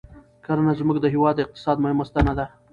کرنه زموږ د هېواد د اقتصاد مهمه ستنه ده